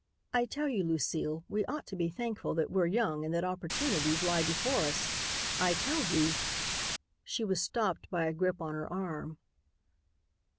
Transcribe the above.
I tell you, Lucile, we ought to be thankful that we're young and that opportunities lie before us. I tell you " She was stopped by a grip on her arm.